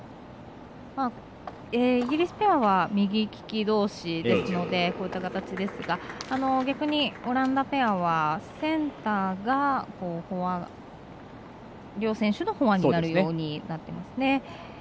イギリスペアは右利きどうしですのでこういった形ですが、逆にオランダペアは、センターが両選手のフォアになるようになっていますね。